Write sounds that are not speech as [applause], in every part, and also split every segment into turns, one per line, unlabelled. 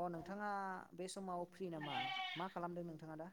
अ नोंथाङा बे समाव फ्रि नामा? मा खालामदों नोंथाङा दा?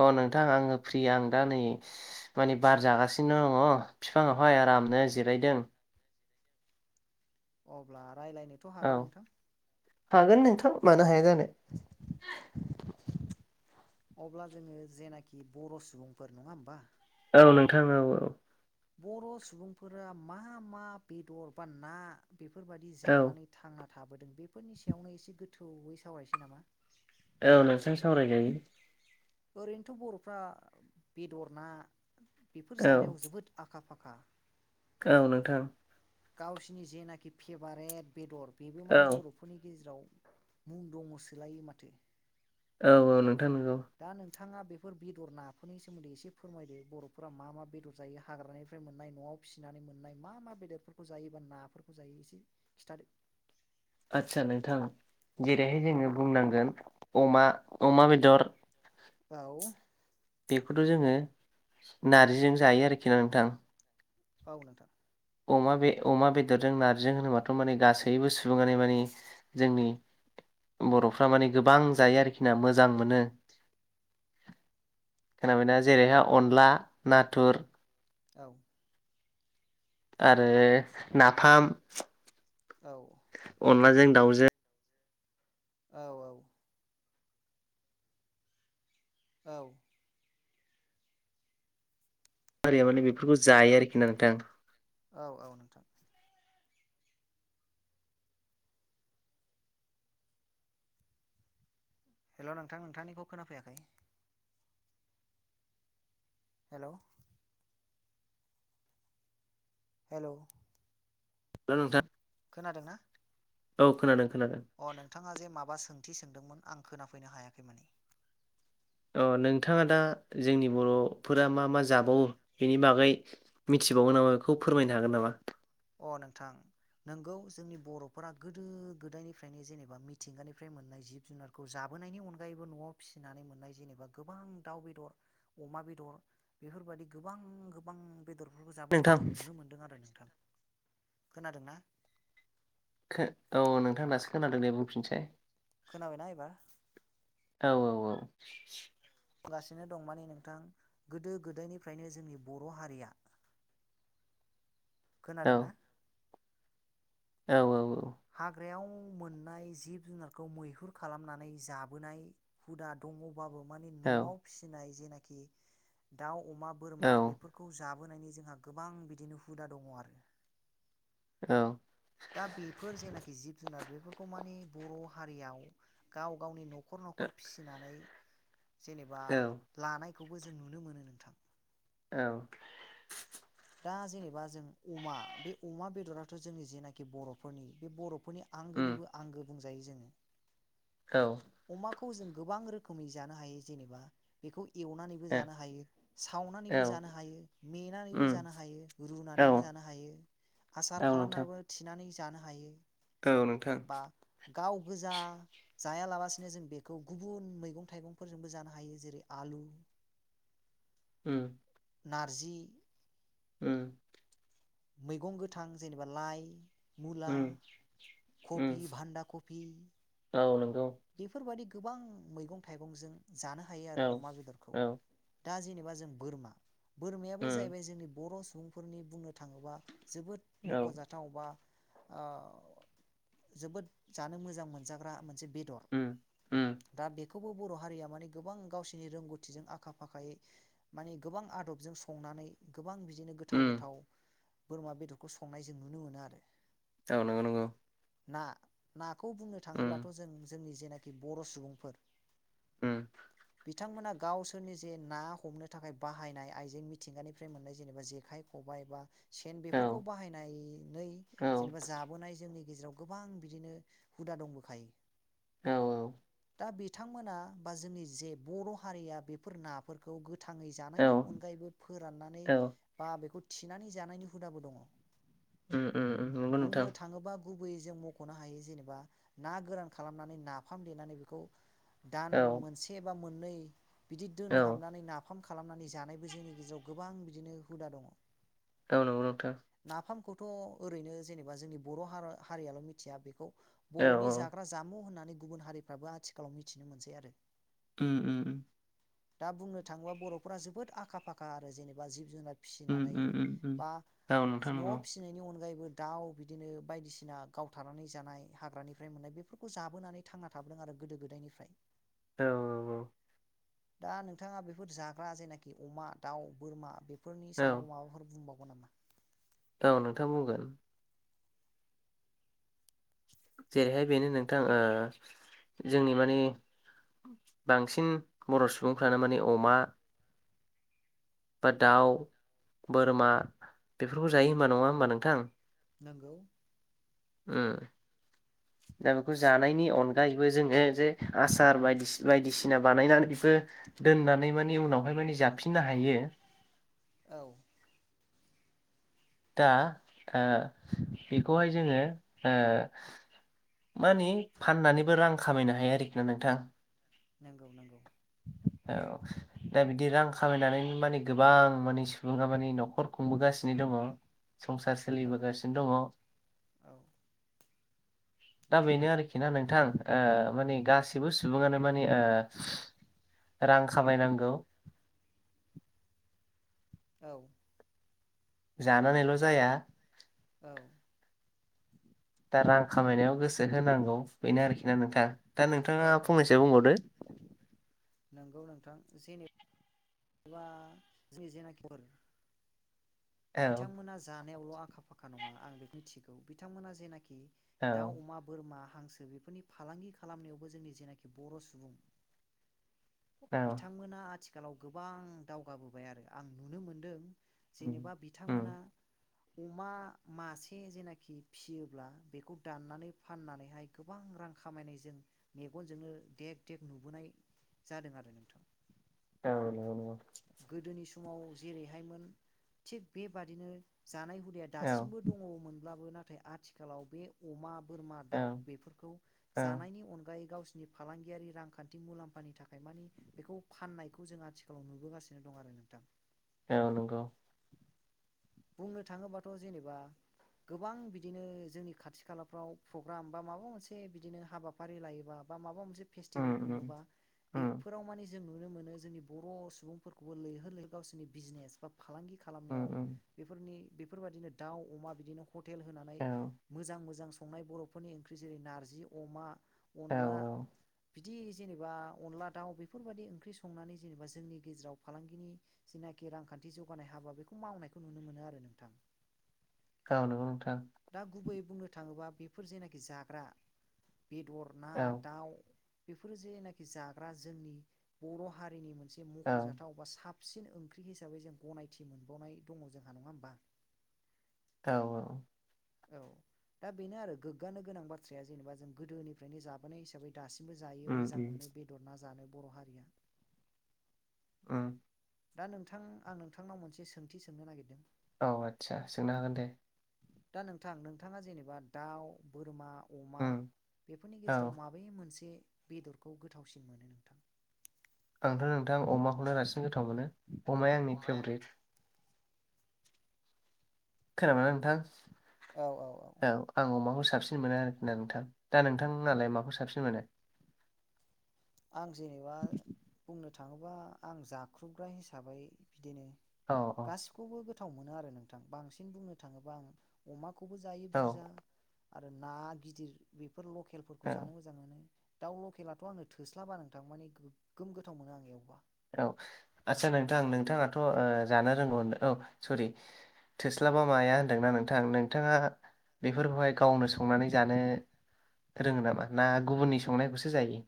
अ नोंथां आङो फ्रि आं दा नै माने बार जागासिनो दङ बिफांआवहाय आरामनो जिराय यदों
अब्ला रायज्लायनोथ'
औ
हागोन नोंथां
हागोन नोंथां मानो हाया जानो
अब्ला जोङो जेनाखि बर' सुबुंफोर नङा होमबा?
औ नोंथां औ औ
बर' सुबुंफोरा मा मा बेदर बा ना बेफोरबायदि जानानै
औ
थांना थाबोदों बेफोरनि सायावनो एसे गोथौयै सावरायसै नामा?
औ नोंथां सावराय जायो
ओरैनोथ' बर'फ्रा बेदर ना बेफोर
औ
जानायाव जोबोद आ खा-फाखा
औ नोंथां
गावसिनि जेनाखि फेभारेट बेदर बेबो
औ
माने बर'फोरनि गेजेराव मुं दङ सोलाय माथो
औ औ नोंथां नंगौ
दा नोंथाङा बेफोर बेदर नाफोरनि सोमोन्दै एसे फोरमायदो बर'फोरा मा मा बेदर जायो हाग्रानिफ्राय मोननाय न'आव फिसिनानै मोननाय मा मा बेदरफोरखौ जायोबा नाफोरखौ जायो एसे खिथादो।
आतसा नोंथां जेरैहाय जोङो बुंनांगोन अमा अमा बेदर
औ
बेखौथ' जोङो नारजिजों जायो आरोखि ना नोंथां।
औ नोंथां
अमा बे अमा बेदरजों नारजि होनोबाथ' माने गासैबो सुबुङानो माने जोंनि बर'फ्रा माने गोबां जायो आरोखिना मोजां मोनो। खोनाबायना जेरैहाय अनला नाथुर
औ
आरो नाफाम
औ
अनलाजों दाउजों
औ औ औ
हारिया माने बेफोरखौ जायो आरोखि ना नोंथां
औ औ नोंथां हेल' नोंथां नोंथांनिखौ खोनाफैयाखै हेल' हेल'
हेल' नोंथां
खोनादोंना?
औ खोनादों। खोनादों
अ' नोंथाङा जे माबा सोंथि सोंदोंमोन आं खोनाफैनो हायाखै माने
अ' नोंथाङा दा जोंनि बर'फोरा मा मा जाबावो बेनि बागै मि थिबावो नामा बेखौ फोरमायनो हागोन नामा?
अ' नोंथां नोंगौ जोंनि बर'फोरा गोदो-गोदायनिफ्रायनो जेनेबा मिथिंगानिफ्राय मोननाय जिब-जुनारखौ जाबोनायनि अनगायैबो न'आव फिसिनानै मोननाय जेनेबा गोबां दाउ बेदर अमा बेदर बेफोरबायदि गोबां गोबां बेदरफोरखौ
नोंथां
जाबोनायखौ जों नुनो मोन्दों आरो नोंथां। खोनादों ना?
औ नोंथां दासो खोनादों दे बुंफिनसै
खोनाबायना एबार
औ औ औ
बुंगासिनो दं माने नोंथां गोदो-गोदायनिफ्रायनो जोंनि बर' हारिया
औ
खोनादोंना?
औ औ
हाग्रायाव मोननाय जिब जुनारखौ मैहुर खालामनानै जाबोनाय हुदा दङ बाबो माने
औ
न'आव फिसिनाय जेनिखि दाव अमा
औ
बोरमा बेफोरखौ जा बोनायनि जोंहा गोबां बिदिनो हुदा दङ आरो
औ
दा बेफोर जेनाखि जिब जुनार बेफोरखौ माने बर' हारियाव गाव गावनि न' खर न'खर फिनानै जेनेबा
औ
लानायखौबो जों नुनो मोनो नोंथां
औ
दा जेनबा जों अमा बे अमा बेदराथ' जोंनि जेनाखि बर'फोरनि बे बर' फोरनि आंगोनिबो आंगो बुंजायो जोङो अमाखौ जों गोबां रोखोमै जानो हायो जेनेबा बेखौ एवनानैबो
औ
जानो हायो
औ
सावनानैबो जानो हायो मेनानैबो
औ
जानो हायो
औ
रुनानैबो जा नो हायो आसार
नोंथां
खालामनाबो थिनानै जानो हायो
औ नोंथां
बा गाव गोजा जायालाबा सेनो जों बेखौ गुबुन मैगं थाइगंफोरजोंबो जानो हायो जेरै आलु
उम
नारजि
ओ
मैगं गोथां जेनेबा लाइ मुला
उम उम
खफि बान्दा खफि
औ नंगौ
बेफोरबायदि गोबां मैगं थाइगंजों जानो हायो
औ
आरो अमा बेदरखौ
औ
दा जेने बा जों बोरमा बोरमायाबो
उम
जाहैबाय जोंनि बर' सुबुंफोरनि बुंनो थाङोबा जोबोद
औ
मख'जाथाव बा ओ जोबोद जानो मोजां मोनजाग्रा मोनसे बेदर
उम उम
[inaudible] दा बेखौबो बर' हारिया माने गोबां गावसोरनि रोंगौथिजों आखा फाखायै माने गोबां आदबजों संनानै गोबां बिदिनो गोथाव
उम
गोथाव बोरमा बेदरखौ संनाय जों नुनो मोनो आरो
औ नंगौ नंगौ
ना नाखौ बुंनो
उम
थाङोब्लाथ' जों जोंनि जेनाखि बर' सुबुंफोर
उम
बिथांमोना गावसोरनि जे ना हमनो थाखाय बाहायनाय आइजें मिथिंगानिफ्राय मोननाय जेनेबा जेखाइ खबाइ बा सेन
औ
बेफोरखौ बाहायनानै
औ
जेनेबा जाबोनाय जोंनि गेजेराव गोबां बिदिनो हुदा दंबोखायो
औ
दा बिथांमोना बा जोंनि जे बर' हारिया बेफोर नाफोरखौ गो थाङै
औ
जानायनि अनगायैबो फोराननानै
औ
बा बेखौ थिनानै जानायनि हुदाबो दङ
उम उम उम नंगौ नोंथां
बुंनो थाङोबा गुबैयै जों मख'नो हायो जेनेबा ना गोरान खालामनानै नाफाम देनानै बेखौ दान
औ
मोनसे बा मोननै बिदि
औ
दोनहाबनानै नाफाम खालामनानै जानायबो जोंनि गेजेराव गोबां बिदिनो हुदा दङ
औ नंगौ नंगौ नोंथां
थ' ओरैनो जेनेबा जोंनि बर' ह हारियाल' मिथिया बेखौ
औ
बर'नि जाग्रा जामु होननानै गुबुन हारिफ्राबो आथिखालाव मिथिनो मोनसै आरो
उम उम उम
दा बुंनो थाङोबा बर'फोरा जोबोद आखा फाखा आरो जेनेबा जिब जुनार
उम
फिसिनानै
उम उम उम
बा
औ नोंथां नंगौ
न'आव फिसिनायनि अनगायैबो दाउ बिदिनो बायदिसिना गावथारनानै जानाय हाग्रानिफ्राय मोननाय बेफोरखौ जाबोनानै थांना थाबोदों आरो गोदो गोदायनिफ्राय
औ औ औ
दा नोंथाङा बेफोर जाग्रा जेनाखि अमा दाउ बोरमा बेफोरनि
औ
सायाव माबाफोर बुंबावो नामा?
औ नोंथां बुंगोन जेरैहाय बेनो नोंथां ओ जोंनि मानि बांसिन बर' सुबुंफ्रानो माने अमा बा दाउ बोरमा बेफोरखौ जायो होनबा नङा होमबा नोंथां!
नोंगौ
उम दा बेखौ जानायनि अनगायैबो जोङो जे आसार बायदिसिना बानायनानै बो दोननानै माने उनावहाय माने जाफिननो हायो
औ
दा ओ बेखौहाय जोङो ओ मानि फाननानैबो रां खामायनो हायो आरोखि ना नोंथां
नंगौ नंगौ
औ दा बिदि रां खामायनानैनो माने गोबां माने सुबुंङा माने न'खर खुंबोगासिनो दंङ। संसार
औ
सोलिबोगासिनो दङ
औ
दा बेनो आरोखि ना नोंथां। ओ माने गाैबो सुबुंङानो माने ओ रां खामायनांगौ
[inaudible] औ
जानानैल' जाया
औ
दा रां खामायनायाव गोसो होनांगौ बेनो आरोखि ना नोंथां दा
औ
नोंथाङा फंनैसो बुंबावदो।
नोंगौ नोंथां जेने बा जोंनि जेनाखि महर
औ
बिथांमोना जा यावल' आखा फाखा नङा आं बेखौ मिथिगौ बिथांमोना जेनाखि
औ
दाउ अमा बोरमा हांसो बेफोरनि फालांगि खालामनायावबो जोंनि जेनाखि बर' सुबुं
औ
बिथांमोना आथिखालाव गोबां दावगाबोबाय आरो आं नुनो मोनदों
उम
जेनेबा
उम
बिथांमोना अमा मासे जेनाखि फियोब्ला बेखौ दाननानै फाननानैहाय गोबां रां खामायनायजों मेगनजोंनो देग देग नुबोनाय जादों आरो नोंथां
औ नंगौ नंगौ
गोदोनि समाव जेरैहायमोन थिग बेबादिनो जानाय हुदया
औ
दासिमबो दङमोन बाबो नाथाय आथिखालाव बे अमा बोरमा
औ
दाउ बेफोरखौ
औ
जानायनि अनगायै गावसि नि फालांगियारि रांखान्थि मुलाम्फानि थाखाय मानि बेखौ फाननाय बेखौ जों आथिखालाव नुबोगासिनो दं आरो नोंथां
औ नंगौ
बुंनो थाङोबाथ' जेनेबा गोबां बिदिनो जोंनि खाथि खालाफ्राव प्रग्राम बा माबा मोनसे बिदिनो हाबाफारि लायोबा बा माबा मोसे
उम
फेसतिभेल
उम
खुंङोब्ला
उम
बेफोराव माने जों नुनो मोनो जोंनि बर' सुबुंफोरखौबो लैहोर लैहोर गावसिनि बिजनेस बा फालांगि
उम
खालामनायाव
उम
बेफोरनि बेफोरबायदिनो दाउ अमा बिदिनो हटेल होनानै
औ
मोजां मोजां संनाय बर'फोरनि ओंख्रि जेरै- नारजि अमा
औ
अनला बिदि जेनेबा अनला दाउ बेफोरबायदि ओंख्रि संनानै जेनेबा जोंनि गेजेराव फालांगिनि जेना खि रांखान्थि जौगानाय हाबा बेखौ मावनायखौ नुनो मोनो आरो नोंथां
औ नंगौ नोंथां।
दा गुबैयै बुंनो थाङोबा बेफोर जेनाखि जाग्रा, बेदर ना
औ
दाउ बेफोरो जेनाखि जाग्रा जोंनि बर' हारिनि मोन, जे
औ
मख'जाथाव बा साब सिन ओंख्रि हिसाबै जों गनायथि मोनबावनाय दङ जोंहा नङा होमबा
औ औ
औ दा बेनो आरो गोग्गानो गोनां बाथ्राया जेनेबा जों गोदोनिफ्रायनो जाबोनाय हिसाबै दासिमबो जायो
उम
मोजां
उम
मोनो बेदर ना जानो बर' हारिया।
उम।
दा नोंथां आं नोंथांनाव मोनसे सोंथि सोंनो नागिरदों।
औ आदसा सोंनो हागोन दे।
दा नोंथां नोंथाङा जेनेबा दाउ बोरमा अमा
उम
बेफोरनि
औ
गेजेराव माबे मोनसे बेदरखौ गोथावसिन मोनो नोंथां?
आंथ' नोंथां अमाखौनो बांसिन गोथाव मोनो अमाया आंनि फेभरेट। खोनाबायना नोंथां औ आं अमाखौ सो साबसिन मोनो आरोखि ना नोंथां दा नोंथां नालाय माखौ साबसिन मोनो।
आं जेनेबा बुंनो थाङोबा आं जाख्रुबग्रा हिसाबै बिदिनो
औ
गासिखौबो गोथाव मोनो आरो नोंथां बांसिन बुंनो थाङोबा आं अमा बेखौबो जायो
औ
बुरजा आरो ना गिदिर बेफोर लकेलफोरखौ
औ
जानो मोजां मोनो। दाउ लकेलाथ' आंनो थोस्लाबा नोंथां माने गोगोम गोथाव मोनो आं एवबा।
औ आदसा
बुंनो
नोंथां
थाङोब्ला
नोंथाङाथ' ओ जानो रोंगौ औ। सरि थोस्लाबा माया होनदोंना नोंथां नोंथाङा। बेफोरखौहाय गावनो संनानै जानो रोङो नामा? ना गुबुननि संनायखौसो जायो।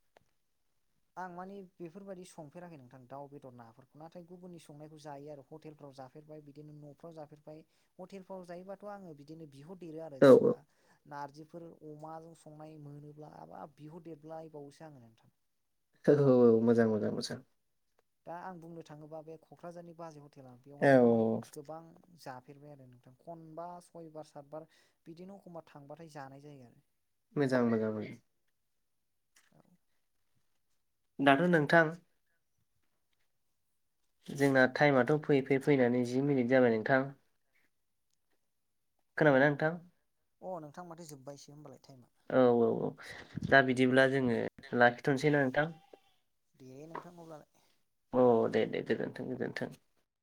[inaudible] आं मानि बेफोरबायदि संफेराखै नोंथां दाउ बेदर नाफोरखौ नाथाय गुबुननि संनायखौ जायो आरो हटेलफ्राव जाफेरबाय बिदिनो न'फ्राव जाफेरबाय हेतेलफोराव जायोबाथ आंङो बिदिनो बिहद आरो
औ
जेनेबा नारजि फोर अमाजों संनाय मोनोब्ला हाबाब बिहर देरलायबावोसो आङो नोंथां।
औ मोजां मोजां मोजां।
दा आं बुंनो थाङोबा बे क'क्राझारनि बाजै हटेला आ
औ
बेवहाय मानि
औ
गोबां जाब फेरबाय आरो नोंथां खनबा सयबार सातबार बिदिनो एखमबा थांबाथाय जानाय जायो आरो।
मोजां मोजां मोजां। दाथ' नोंथां जोंना टाइमाथ' फैयै फैयै फैनानै जि मिनिट जाबाय नोंथां। खोनाबायना नोंथां?
अ नोंथां माथो जोबायसो होनबालाय थाइम
औ औ औ दा बिदिब्ला जोङो लाखिथ'नोसैना नोंथां?
दे नोंथां अब्लालाय
औ दे दे गोजोनथों गोजोनथों।